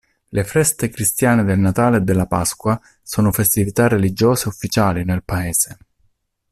Le feste cristiane del Natale e della Pasqua sono festività religiose ufficiali nel Paese.